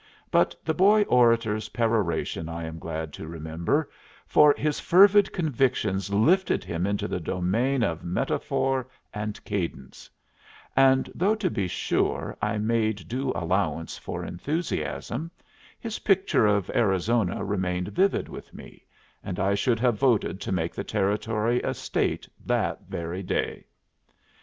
But the Boy Orator's peroration I am glad to remember, for his fervid convictions lifted him into the domain of metaphor and cadence; and though to be sure I made due allowance for enthusiasm, his picture of Arizona remained vivid with me, and I should have voted to make the Territory a State that very day.